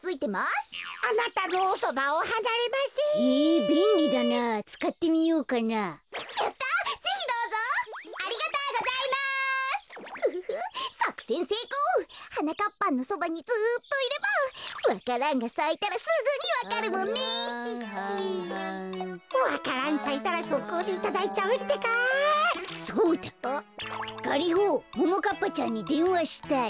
ガリホももかっぱちゃんにでんわしたい。